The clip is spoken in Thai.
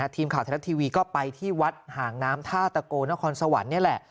ทีมข่าวไทยรัฐทีวีก็ไปที่วัดห่างน้ำท่าตะโกนครสวรรค์นี่แหละ